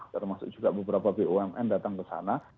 termasuk juga beberapa bumn datang ke sana